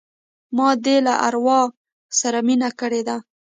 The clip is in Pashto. ما دي له اروا سره مینه کړې ده